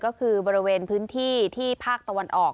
ก็คือบริเวณพื้นที่ที่ภาคตะวันออก